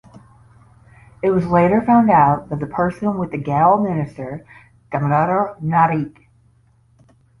It was later found out that the person was the Goa minister Damodar Naik.